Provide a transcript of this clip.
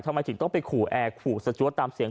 ทำไมถึงต้องไปขู่แอร์ขู่สจวดตามเสียง